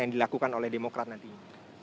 yang dilakukan oleh demokrat nantinya